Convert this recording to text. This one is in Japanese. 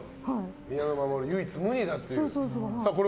宮野真守、唯一無二だという。